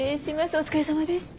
お疲れさまでした。